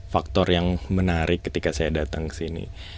faktor yang menarik ketika saya datang kesini